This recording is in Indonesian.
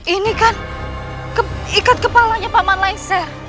ini kan ikat kepalanya paman laisar